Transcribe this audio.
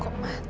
kok mati sih